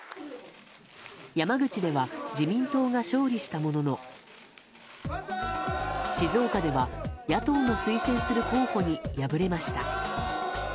山口では自民党が勝利したものの静岡では野党の推薦する候補に敗れました。